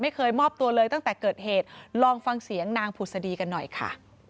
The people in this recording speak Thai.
ไม่เคยมอบตัวเลยตั้งแต่เกิดเหตุลองฟังเสียงนางผุศดีกันหน่อยค่ะ